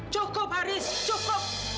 cukup haris cukup